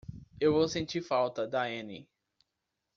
Eu vou sentir falta da Annie.